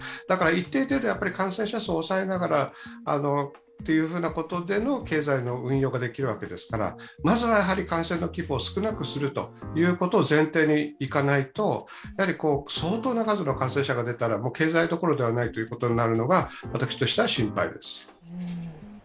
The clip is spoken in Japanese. だから、一定程度、感染者数を抑えながらということでの経済の運用ができるわけですから、まずは感染の規模を少なくすることを前提にいかないと、相当な数の感染者が出たら経済どころではないということになるのが私としては心配です。